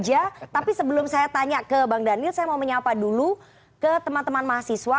tapi sebelum saya tanya ke bang daniel saya mau menyapa dulu ke teman teman mahasiswa